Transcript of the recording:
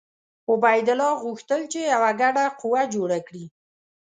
عبیدالله غوښتل چې یوه ګډه قوه جوړه کړي.